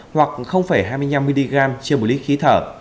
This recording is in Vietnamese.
hoặc hai mươi năm mg trên một lít khí thở